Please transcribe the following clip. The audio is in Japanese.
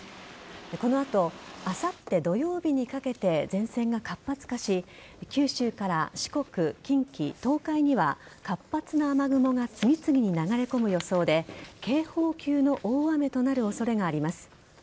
この後あさって土曜日にかけて前線が活発化し九州から四国、近畿、東海には活発な雨雲が次々に流れ込む予想で警報級の大雨となる恐れがあります。